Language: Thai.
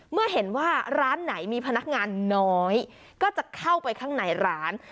เมื่อเห็นว่าร้านไหนมีพนักงานน้อยก็จะเข้าไปข้างในร้าน